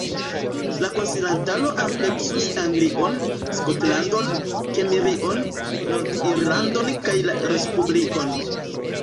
La konsilantaro ampleksus Anglion, Skotlandon, Kimrion, Nord-Irlandon kaj la Respublikon.